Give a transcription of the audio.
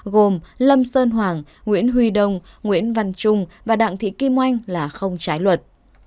gồm lâm sơn hoàng nguyễn huy đông nguyễn văn trung và đặng thị kim oanh là không trái luật